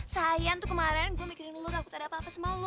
sayang tuh kemarin gue mikirin dulu gak aku tak ada apa apa sama lo